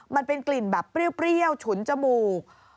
มันเป็นกลิ่นแบบเปรี้ยวฉุนจมูก